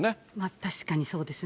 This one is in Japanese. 確かにそうですね。